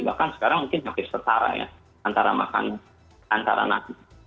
bahkan sekarang mungkin hampir setara antara makanan antara nasi